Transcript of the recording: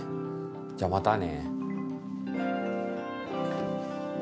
じゃあまたね。